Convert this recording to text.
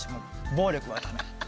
暴力はダメ。